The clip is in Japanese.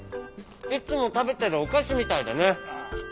いつもたべてるおかしみたいだね。